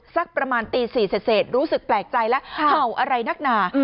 สักประมาณตี๔เสร็จรู้สึกแปลกใจแล้วเห่าอะไรนักหนา